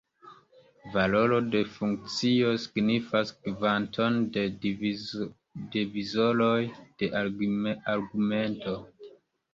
Valoro de funkcio signifas kvanton de divizoroj de argumento.